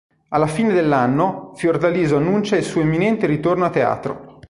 Alla fine dell'anno, Fiordaliso annuncia il suo imminente ritorno a teatro.